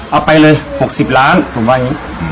เอาไปเลย๖๐ล้านผมว่าอย่างนี้